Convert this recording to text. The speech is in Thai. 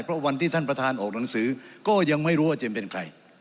เพราะวันที่ท่านประธานออกหนังสือก็ยังไม่รู้ว่าเจมส์เป็นใคร